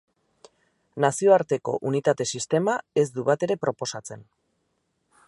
Nazioarteko Unitate Sistema ez du batere proposatzen.